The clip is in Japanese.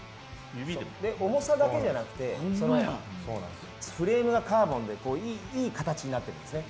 重さだけじゃなくてフレームがカーボンでいい形になってるんですね。